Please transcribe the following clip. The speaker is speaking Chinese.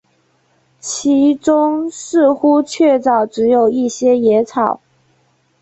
其中似乎确凿只有一些野草